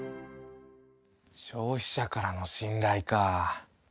消費者からの信頼かぁ。